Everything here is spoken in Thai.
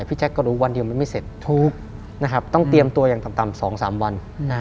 พี่แจ๊คก็รู้วันเดียวมันไม่เสร็จถูกต้องเตรียมตัวอย่างต่ำ๒๓วัน